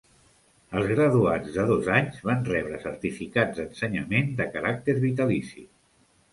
Els graduats de dos anys van rebre certificats d'ensenyament de caràcter vitalici.